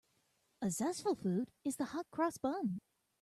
A zestful food is the hot-cross bun.